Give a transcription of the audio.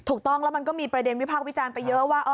ถูกต้องแล้วมันก็มีประเด็นวิพากษ์วิจารณ์ไปเยอะว่า